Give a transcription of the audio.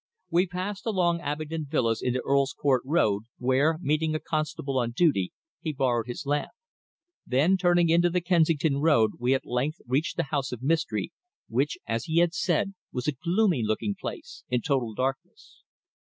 We passed along Abingdon Villas into Earl's Court Road, where, meeting a constable on duty, he borrowed his lamp; then turning into the Kensington Road we at length reached the house of mystery, which, as he had said, was a gloomy looking place in total darkness.